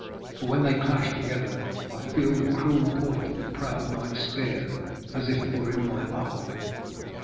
For when they clash together, I feel the cruel point of the proud knight's spear as if it were in my heart.'